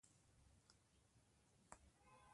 ولسمشرزیلینسکي